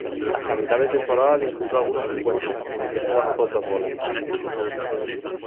Hasta mitad de temporada disputó algunos encuentros, aunque solo anotó dos goles.